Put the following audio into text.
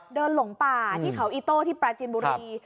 หลงป่าที่เขาอีโต้ที่ปราจินบุรี